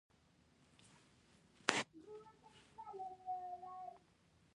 که موږ شېر علي ته تضمین ورکړی وای.